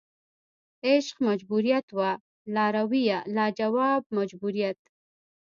عشق مجبوریت وه لارویه لا جواب مجبوریت